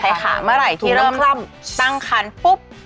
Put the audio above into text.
ใช่ค่ะเมื่อไหร่ที่เริ่มคล่ำตั้งคันปุ๊บ